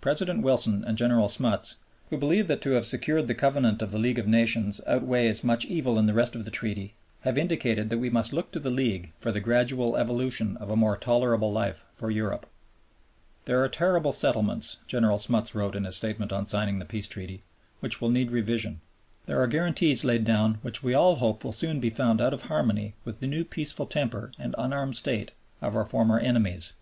President Wilson and General Smuts, who believe that to have secured the Covenant of the League of Nations outweighs much evil in the rest of the Treaty, have indicated that we must look to the League for the gradual evolution of a more tolerable life for Europe. "There are territorial settlements," General Smuts wrote in his statement on signing the Peace Treaty, "which will need revision. There are guarantees laid down which we all hope will soon be found out of harmony with the new peaceful temper and unarmed state of our former enemies.